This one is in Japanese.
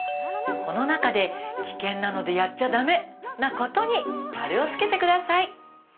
この中で危険なのでやっちゃだめなことに丸をつけてください。